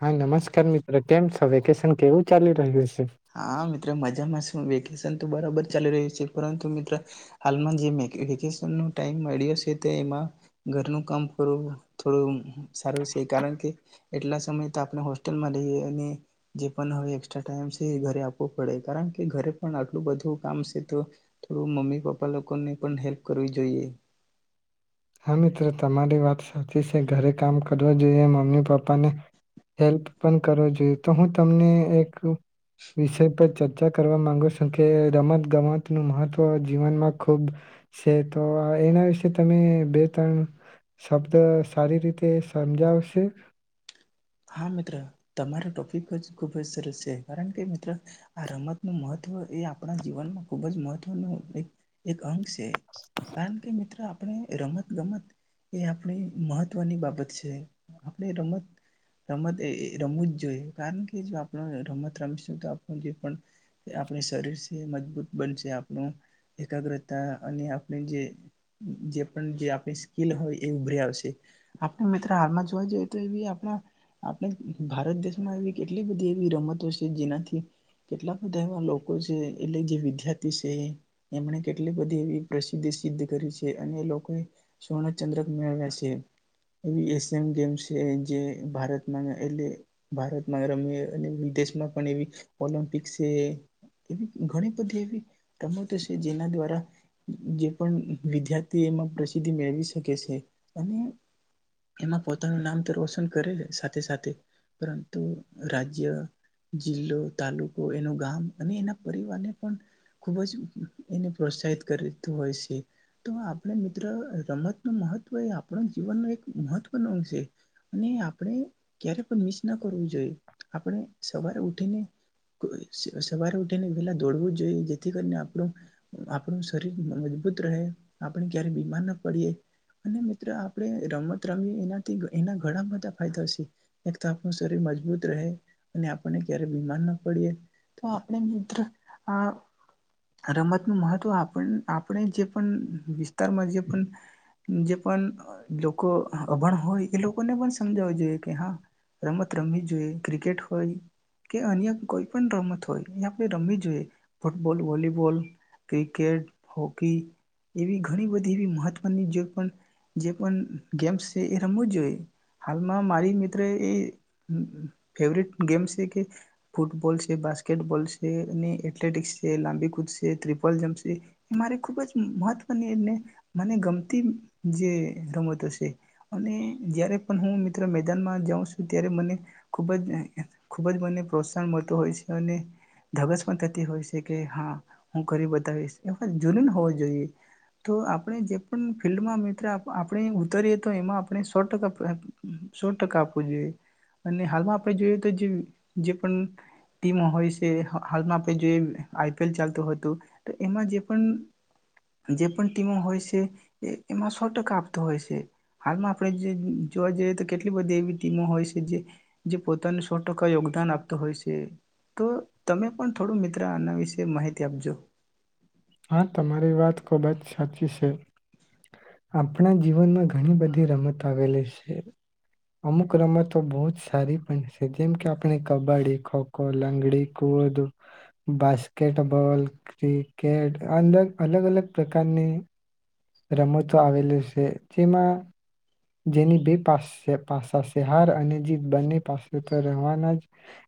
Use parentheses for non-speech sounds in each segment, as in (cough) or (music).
હા, નમસ્કાર મિત્ર. કેમ છે? વેકેશન કેવું ચાલી રહ્યું છે? હા, મિત્રો મજામાં શું વે કેશન તો બરાબર ચાલી રહ્યું છે પરંતુ મિત્ર હાલમાં જે વેકેશન નું ટાઈમ મળ્યો છે તે એમાં ઘરનું કામ કરવું થોડું સારું છે કારણ કે એટલા સમય તો આપણે હોસ્ટેલમાં રહીએ અને જે પણ હવે એસ્ટ્રા ટાઈમ સે એ ઘરે આપવો પડે કારણ કે ઘરે પણ આટલું બધું કામ છે તો થોડું મમ્મી પપ્પા લોકોને પણ હેલ્પ કરવી જોઈએ હા, મિત્રો તમારી વાત સાચી છે ઘરે કામ કરવું જોઈએ મમ્મી પપ્પાને હેલ્પ પણ કરવો જોઈએ તો હું તમને એક વિષય પર ચર્ચા કરવા માગું છું કે રમત ગમતનું મહત્ત્વ જીવનમાં ખૂબ છે તો એના વિશે તમે બે-ત્રણ શબ્દ સારી રીતે સમજાવશો? હા, મિત્ર તમારો ટોપિક જ ખૂબ જ સરસ છે કારણ કે મિત્ર આ રમત ન મહત્વ એ આપણા જીવનમાં ખૂબ જ મહત્વનું એક અંગ છે કારણ કે મિત્ર આપણે રમત ગમત એ આપણી મહત્વની બાબત છે આપણે રમત રમત એ રમવુ જ જોઈએ કારણ કે જો આપણ રમત રમીશું તો આપ જે આપ શરીર છે મજબૂત બનશે આપણું એકાગ્રતા અને આપણે જે પણ જે આપણી સ્કીલ હોય એ ઉભરી આવશે. આપણે મિત્ર હાલમાં જોવા જઈએ તો એ આપણા આપણે ભારત દેશમાં એવી કેટલી બધી એવી રમતો છે જેનાથી કેટલા બધા એવા લોકો છે એટલે જે વિદ્યાર્થી છે એમણે કેટલી બધી એવી પ્રસિદ્ધિ સિદ્ધ કરી છે અને એ લોકોએ સુવર્ણ ચંદ્રક મેળવ્યા છે એ એશિયન ગેમ્ છે જે ભારત એટલે ભારતમાં રમે અને વિદેશમાં પણ એવી ઓલમ્પિક છે એ ઘણી બધી એવી રમતો છે જેના દ્વારા જે પણ વિદ્યાર્થી એમાં પ્રસિદ્ધિ મેળવી શકે છે અને એમાં પોતાનું નામ તો રોશન કરી શકે સાથે પરંતુ રાજ્ય, જિલ્લો, તાલુકો એનું ગામ અને એના પરિવારને પણ ખુબ જ એને પ્રોત્સાહિત કરી દેતું હોય છે તો આપણે મિત્ર રમત ન મહત્વ એ આપણ જીવન ન એક મહત્વનો અંગ છે ને આપણે ક્યારે પણ મિસ ના કરવું જોઈએ આપણે સવારે ઉઠીને સવારે ઉઠીને પેલા દોડવું જોઈએ જેથી કરીને આપણું-આપણું શરીર મજબૂત રહે, આપણે ક્યારે બીમાર ના પડીએ અને મિત્ર આપણે રમત રમીએ એનાથી એના ઘણા બધા ફાયદા છે. એક તો આપું શરીર મજબૂત રહે અને આપણને ક્યારે બીમાર ના પડીએ તો આપણે મિત્ર આ રમત નું મહત્વ આપ આપણે જે પણ વિસ્તારમાં જે પણ જે પણ લોકો અભણ હોય એ લોકોને પણ સમજાવું જોઈએ કે હા રમત રમવી જોઈએ ક્રિકેટ હોય કે અન્ય કોઈ પણ રમત હોય એ આપણે રમવી જોઈએ. ફૂટબોલ, વોલીબોલ, ક્રિકેટ, હોકી એવી ઘણી બધી એ મહત્વની જે પણ જે પણ ગેમ્સ છે એ રમવાં જ જોઈએ હાલમાં મારી એ ફેવરટ ગેમ છે કે ફૂટબોલ છે, બાસ્કેટબોલ છે અને એથ્લેટિક્સ છે, લાંબી કૂદશે, ટ્રિપલ જમ્પ છે એ મારે ખૂબ જ મહત્વ અને એને મને ગમ તી જે રમતો છે અને જયારે પણ હું મિત્ર મેદાનમાં જાઉં છું ત્યારે મને ખૂબ જ ખૂબ જ મને પ્રોત્સાહન મળતું હોય છે અને ધગસ પણ થતી હોય છે કે હા, હું કરી બતાવીશ એ જૂનન હોવો જોઈએ તો આપણે જે પણ ફિલ્ડમાં મિત્ર આપણે ઉતારીએ તો એમાં આપણે સો ટકા પ્રત, સો ટકા જોઈએ, ને હાલમાં આપણે જોઈએ તો પણ ટીમો હોય છે હાલમાં આપણે જોઈ આઈ પી એલ ચાલતું હતું તો એમાં જે પણ-જે પણ ટીમો હોય છે એમાં સો ટકા આપતો હોય છે હાલમાં આપણે જે જોવા જઈએ તો કેટલી બધી એવી ટીમો હોય છે જે પોતાને સો ટકા યોગદાન આપતો હોય છે તો તમે પણ થોડું મિત્ર આના વિશે માહિતી આપજો. હા, તમારી વાત ખુબ જ સાચી છે આપણા જીવનમાં ઘણી બધી રમતો આવેલી છે. અમુક રમતો બહુ જ સારી પણ છે જેમ કે આપણે કબડ્ડી, ખોખો, લાંગડી, કુવ, બાસ્કેટબોલ કેટ અલગ-અલગ, અલગ પ્રકારની રમતો આવેલી છે જેમાં જેની બે પા પાસા છે હાર અને જીત, બંને પાસે તો રહેવાના જ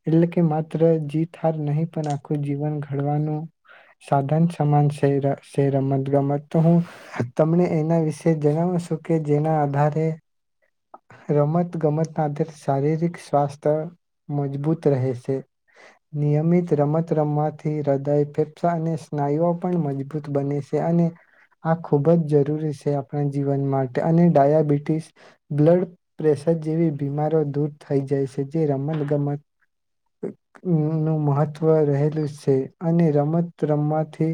એટલે કે માત્ર જીત હાર નહીં પણ આખું જીવન ઘડવાનું સાધન સમાન સે રમત ગમત તો હું તમને એના વિશે જણાવું છું કે જેના આધારે એ રમત ગમતના આધારે શારીરિક સ્વાસ્થ્ય મજબૂત રહે છે. નિયમિત રમત રમવાથી હૃદય, ફેફસા અને સ્નાયુઓ પણ મજબૂત બને છે અને આ ખૂબ જ જરૂરી છે આપણા જીવન માટે અને ડાયાબિટીસ બ્લડ પ્રેશર જેવી બીમારી દૂર થઈ જાય છે જે રમત ગમત નું મહત્વ રહેલું છે અને રમત રમવાથી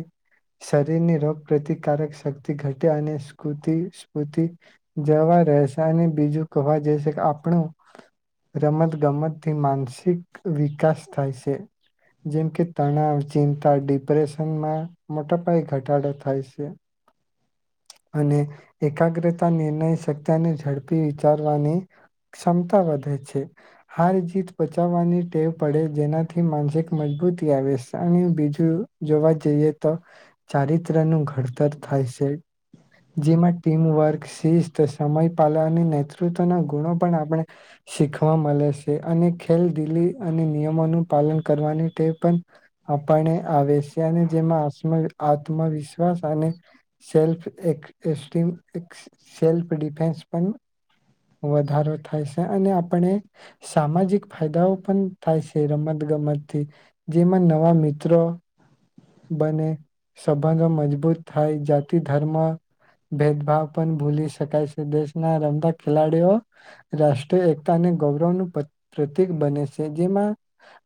શરીરની રોગ પ્રતિકારક શક્તિ ઘટે અને સ્કૂતિ સ્ફૂર્તિ જવા રહેશે અને બીજું કવા જ છે કે આપણું રમત ગમતથી માનસિક વિકાસ થાય છે જેમ કે તણાવ, ચિંતા, ડિપ્રેશનમાં મોટા પાયે ઘટાડો થાય છે અને એકાગ્રતા નિર્ણય શકતાને ઝડપી વિચારવાની ક્ષમતા વધે છે. હાર જીત બચાવવાની ટેવ પડે જેનાથી માનસિક મજબૂતી આવે બીજું જોવા જઈએ તો ચારિત્ર નું ઘડતર થાય છે. જેમાં ટીમવર્ક, શિસ્ત, સમય પાલા ની નેતૃત્વના ગુણો પણ આપણે શીખવા મળે છે અને ખેલ દિલી અને નિયમોનું પાલન કરવાની ટેવ પણ આપને આવે છે અને જેમાં આત્સા-આત્મવિશ્વાસ અને સેલ્ફ એડ ટેક્સિમ સેલ્ફ ડિફેન્સ પણ વધારો થાય છે, અને આપણે સામાજિક ફાયદાઓ પણ થાય છે, રમત ગમતથી જેમાં નવા મિત્રો બને, સંબંધો મજબૂત થાય, જાતિ ધર્મ ભેદભાવ પણ ભૂલી શકાય છે, દેશ ના રમતા ખેલાડીઓ રાષ્ટ્રીય એકતા અને ગૌરવનું પ્રતિક બને છે જેમાં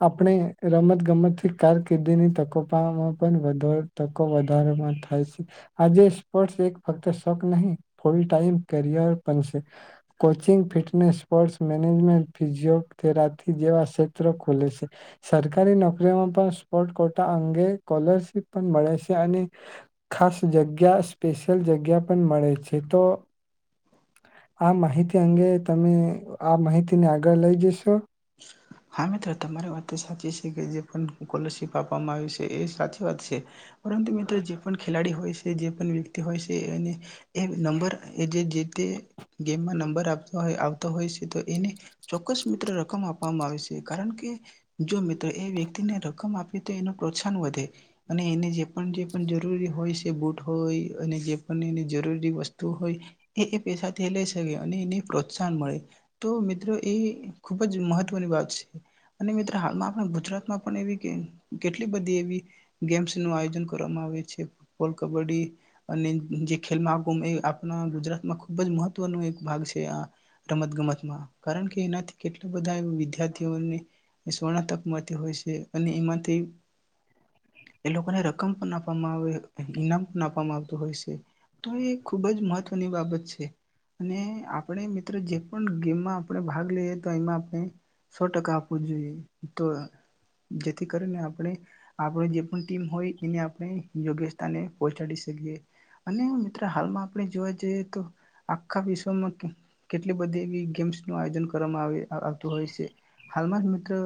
આપણે રમત ગમતથી કારકિર્દીની તકો માં પણ વાડોર તકો વધારામાં થાય છે. આજે સ્પોર્ટ એક ફક્ત શોખ નહી full time career (unintelligible) coaching, fitness, sports management, physiotherapy જેવા ક્ષેત્ર ખુલે છે સરકારી નોકરીમાં પણ સ્પોટ કોટા અંગે સ્કોલરશીપ પણ મળે છે અને ખાસ જગ્યા સ્પેશિયલ જગ્યા પણ મળે છે તો આ માહિતી અંગે તમે આ માહિતીને આગળ લઈ જશો? હા, મિત્રો તમારી વાત સાચી છે કે જે પણ સ્કોલરશીપ આપવામાં આવી છે એ સાચી વાત છે પરંતુ મિત્ર જે પણ ખેલાડી હોય છે જે પણ વ્યક્તિ હોય છે એને એ નંબર એ જે-જે એ ગેમમાં નંબર આપવા આવતો હોય છે તો એને ચોક્કસ મિત્ર (unintelligible) આપવામાં આવે છે કારણ કે જો મિત્રો એ વ્યક્તિને રકમ આપી તો એનું પ્રોત્સાહન વધે અને એને જે પણ જે પણ જરૂરી હોય છે બૂટ હોય અને જે પણ એ જરૂરી વસ્તુ હોય એ એ પૈસાથી લઈ શકે અને એને પ્રોત્સાહન મળે તો મિત્રો એ ખૂબ જ મહત્વની વાત છે અને મિત્ર હાલમાં આપણા ગુજરાતમાં પણ એવી કે-કેટલી બધી એવી ગેમ્સ નું આયોજન કરવામાં આવે છે. ફૂટબોલ, કબડ્ડી અને જે ખેલમાં એ આપણા ગુજરાતમાં ખૂબ જ મહત્વનો એક ભાગ છે આ રમત ગમતમાં કારણ કે એનાથી કેટલા બધા વિદ્યાર્થીઓને સ્વર્ણ તક મળતી હોય છે અને એમાંથી એ લોકોને રકમ પણ આપવામાં આવે ઈનામ પણ આપવામાં આવતું હોય છે તો એ ખૂબ જ મહત્વની બાબત છે અને આપણે મિત્રો જે પણ ગેમમાં આપણે ભાગ લઈએ (unintelligible) માં આપણે સો ટકા આપવું જોઈએ તો જેથી કરીને આપણે-આપણે જે પણ ટીમ હોય એને આપણે યોગ્ય સ્થાને પહોંચાડી શકીએ અને મિત્ર હાલમાં આપણે જોવા જઈએ તો આખા વિશ્વમાં કેટલી બધી એવી ગેમ્સ નું આયોજન કરવામાં આવે આવતું હોય છે, હાલમાં મિત્ર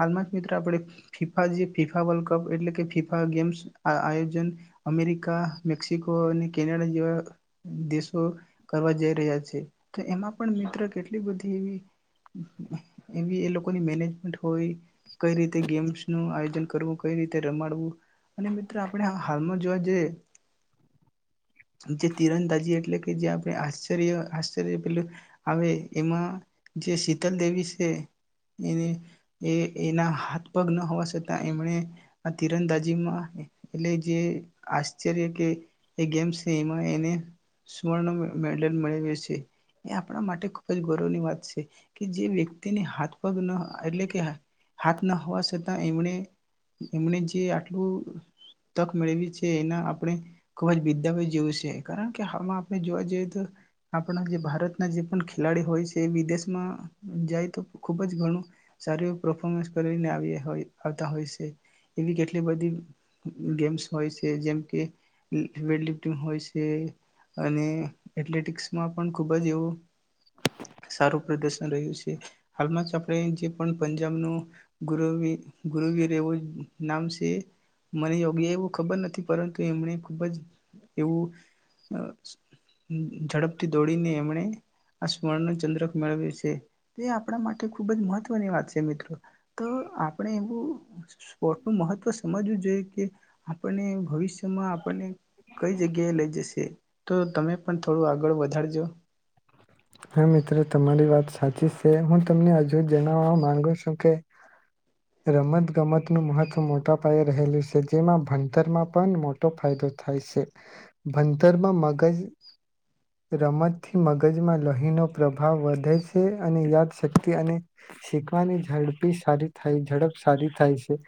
હાલમાં મિત્ર આપણે ફીફા જે ફીફા વર્લ્ડ કપ એટલે કે ફીફા ગેમ્સ આયોજન અમેરિકા, મેક્સિકો અને કેનેડા જેવા દેશો કરવા જઈ રહ્યા છે તો એમાં પણ મિત્ર કેટલી બધી એવી એવી એ લોકોની મેનેજમેન્ટ કોઈ કઈ રીતે ગેમ્સ નું કરવું કઈ રીતે રમાડવું, અને મિત્ર આપણે હાલમાં જોવા જઈએ જે તિરંદાજી એટલે કે જે આપણે આશ્ચર્ય આશ્ચર્ય પેલે આવે એમાં જે શીતલ દેવી છે, એને એ એના હાથ પગ ન હોવા છતાં એમણે આ તીરંદાજીમાં એટલે જે આશ્ચર્ય કે એ ગેમ્ છે, એમાં એને સુવર્ણ મેડલ મેળવ્યો છે, એ આપણા માટે ખૂબ જ ગૌરવની વાત છે. કે જે વ્યક્તિને હાથ પગ ન એટલે કે હાથ ના હોવા છતાં, એમને એમને જે આટલું તક મેળવી છે એના આપણે ખુબ જ બિદાવ જેવું છે, કારણ કે હમાં આપણે જોવા જઈએ તો આપણા જે ભારતના જે પણ ખેલાડી હોય છે એ વિદેશ જાય તો ખુબ જ ઘણું સાર એવું પરફોર્મન્સ કરીને આવતા હોય છે, એવી કેટલી બધી ગેમ્સ હોય છે, જેમ કે વેટ લિફ્ટિંગ હોય છે, અને એથ્લેટિકસમાં પણ ખુબ જ એવ શારુ પ્રદર્શન રહ્યું છે, હાલમાં જ આપણે જે પણ પંજાબનું ગુર ગુરુવી રેવો નામ સ મને યોગી એવું ખબર નથી, પરંતુ એમણે ખુબ જ એવું અ ઝડપથી દોડીને એમણે આ સ્વર્ણ ચંદ્ર મેળ છે, તે આપણા માટે ખુબ જ મહત્વની વાત છે, મિત્ર તો આપણે એવું સ્પોર્ટ નું મહત્વ સમજવું જોઈએ. કે આપણને ભવિષ્ય મા આપણને કઈ જગ્યાએ લઈ જશે, તો તમે પણ થોડું આગળ વધારજો. હા મિત્રો તમારી વાત સાચી છે, હું તમને હજુ જણાવવા માંગુ છું કે રમત ગમત નું મહત્વ મોટા પાયે રહેલું છે, જેમાં ભણતરમાં પણ મોટો ફાયદો થાય છે, ભણતરમાં મગજ રમતથી મગજમાં લોહીનો પ્રભાવ વધે છે, અને યાદશક્તિ અને શીખવાની ઝડપી સારી થાય ઝડપ સારી થાય છે.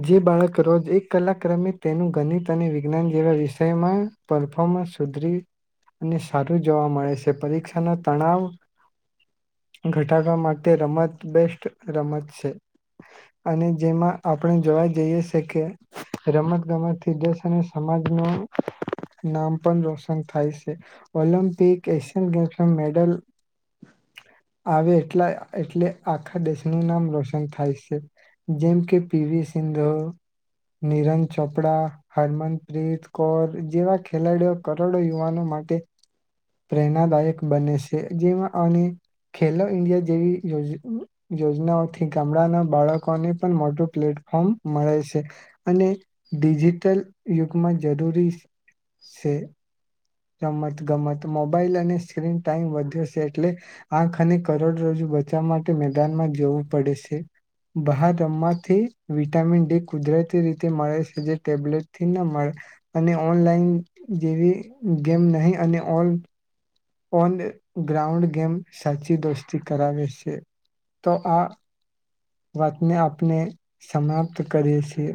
જે બાળક રોજ એક કલા ક્રમે તેનું ગણિત અને વિજ્ઞાન જેવા વિષમાં પરફોમન્સ સુધરી, અને સારું જોવા મળે છે પરીક્ષા આના તણાવ ઘટાડવા માટે રમત બેસ્ટ રમત છે. અને જેમાં આપણે જોવા જઈએ છે કે રમત ગમતથી દેશ અને સમાજ નો નામ પણ રોશન થાય છે. ઓલમ્પિક એશિયન ગેમ મેડલ આવે એટલા એટલે આખા દેશનું નામ રોશન થાય છે. જેમ કે પીવી સિંધુ, નીરન ચોપડા, હરમનપ્રીત કૌર જેવા ખેલાડીઓ કરોડો યુવાનો માટે પ્રેરણાદાયક બને છે. જેમાં અને ખેલો ઈન્ડિયા જેવી યો યોજનાઓથી ગામડાના બાળકોને પણ મોટું પ્લેટફોર્મ મળે છે. અને ડિજિટલ યુગમાં જરૂરી સે. રમત ગમત મોબાઈલ અને સ્ક્રીન ટાઈમ વધ્યો છે, એટલે આંખ અને કરોડ રજુ બચવા માટે મેદાનમાં જવું પડે સે. બહાર રમવાથી વિટામિન ડી કુદરતી રીતે મળે સે, જે ટેબલેટથી ન મળે અને ઓનલાઈન જેવી ગેમ નહી અને ઓન ઓન ગ્રાઉન્ડ ગેમ સાચી દોસ્તી કરાવે છે તો આ વાતને આપને સમાપ્ત કરે છે.